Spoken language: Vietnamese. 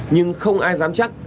nhưng không ai dám chắc